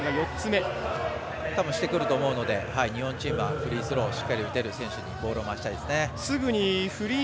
してくると思うので日本チームはフリースローをしっかり打てる選手にボールを回したいですね。